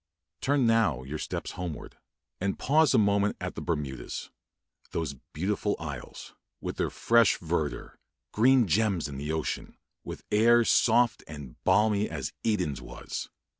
Turn now your steps homeward, and pause a moment at the Bermudas, those beautiful isles, with their fresh verdure green gems in the ocean, with air soft and balmy as Eden's was!